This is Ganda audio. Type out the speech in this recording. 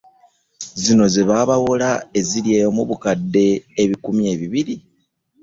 Zino ze baabawola eziri eyo mu bukadde ebikumi ebibiri